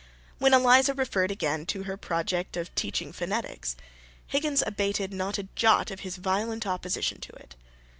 When Eliza referred again to her project of teaching phonetics, Higgins abated not a jot of his violent opposition to it.